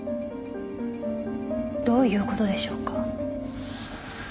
どういう事でしょうか？